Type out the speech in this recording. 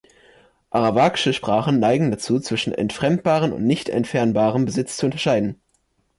Arawakische Sprachen neigen dazu, zwischen entfremdbarem und nicht entfernbarem Besitz zu unterscheiden.